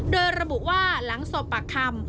โดยระบุว่าหลังสอบปากคำ